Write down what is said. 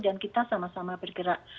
dan kita sama sama bergerak